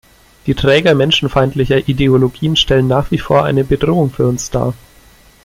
Die Träger menschenfeindlicher Ideologien stellen nach wie vor eine Bedrohung für uns dar.